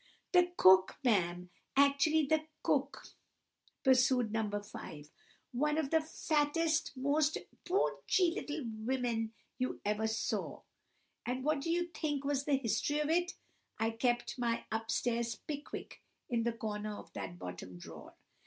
"The cook, ma'am, actually the cook!" pursued No. 5, "one of the fattest, most poonchy little women you ever saw. And what do you think was the history of it? I kept my up stairs Pickwick in the corner of that bottom drawer.